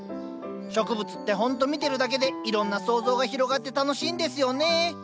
植物ってほんと見てるだけでいろんな想像が広がって楽しいんですよね。